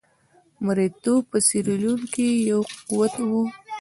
مریتوب په سیریلیون کې یو قوت وو.